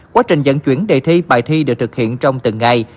quá trình dẫn chuyển đề thi bài thi được thực hiện trong từng ngày